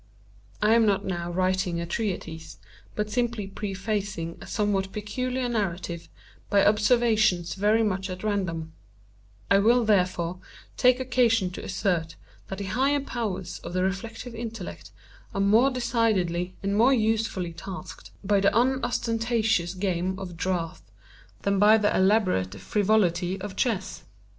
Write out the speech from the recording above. I am not now writing a treatise, but simply prefacing a somewhat peculiar narrative by observations very much at random; I will, therefore, take occasion to assert that the higher powers of the reflective intellect are more decidedly and more usefully tasked by the unostentatious game of draughts than by all the elaborate frivolity of chess.